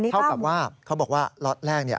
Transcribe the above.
เท่ากับว่าเขาบอกว่าล็อตแรก